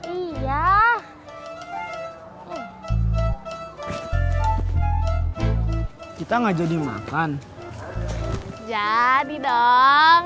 iya kita ngajak dimakan jadi dong